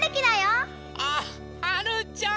あっはるちゃん！